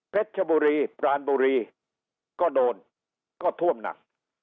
ชบุรีปรานบุรีก็โดนก็ท่วมหนัก